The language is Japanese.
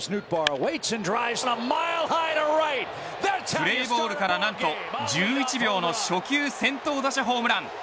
プレーボールから何と１１秒の初球先頭打者ホームラン。